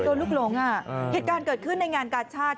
เหตุการณ์แนะเกิดขึ้นในงานกาชาติ